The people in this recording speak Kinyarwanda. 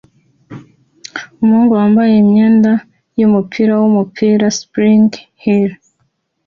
Umuhungu wambaye imyenda yumupira wumupira "Spring Hill"